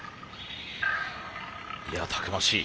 いやたくましい。